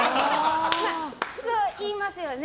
そう言いますよね。